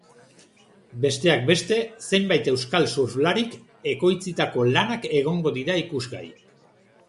Besteak beste, zenbait euskal surflarik ekoitzitako lanak egongo dira ikusgai.